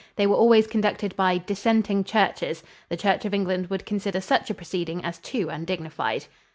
They were always conducted by "dissenting churches" the Church of England would consider such a proceeding as too undignified.